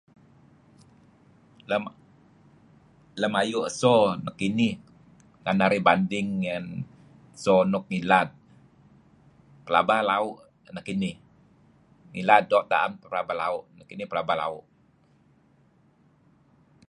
lem lem ayu eso nekinih tu'en narih banding ngen eso nuk ngilad pelaba lau' nekinih ngilad do teh naam pelaba lau' nekinih pelaba lau'